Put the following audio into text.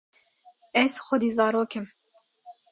ez xwedî zarok im